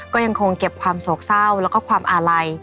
ก็ยังคงเก็บความโศกเศร้าแล้วก็ความอาลัย